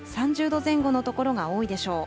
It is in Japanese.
３０度前後の所が多いでしょう。